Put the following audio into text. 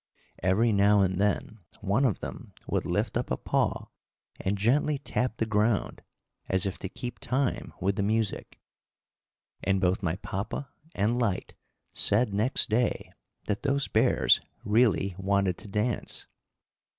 Every now and then one of them would lift up a paw and gently tap the ground, as if to keep time with the music. And both my papa and Lyte said next day that those bears really wanted to dance.